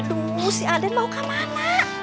aduh si aden mau kemana